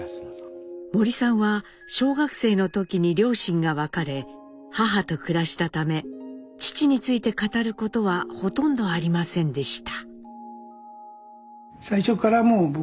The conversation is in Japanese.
森さんは小学生の時に両親が別れ母と暮らしたため父について語ることはほとんどありませんでした。